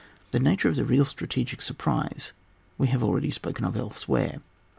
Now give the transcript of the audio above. The nature of the real strategic surprise, we have already spoken of elsewhere.